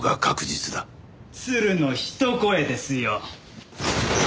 鶴の一声ですよ！